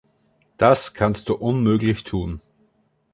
Das kannst du unmöglich tun!